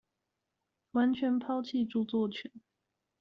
完全拋棄著作權